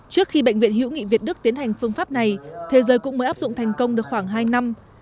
trước khi bệnh viện hữu nghị việt đức tiến hành phương pháp này thế giới cũng mới áp dụng thành công được khoảng hai năm